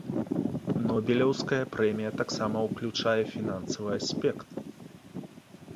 Нобелеўская прэмія таксама ўключае фінансавы аспект.